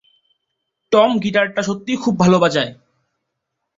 Tom গীটারটা সত্যিই খুব ভালো বাজায়।